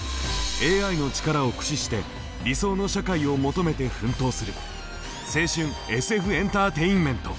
ＡＩの力を駆使して理想の社会を求めて奮闘する青春ＳＦエンターテインメント！